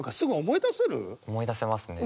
思い出せますね。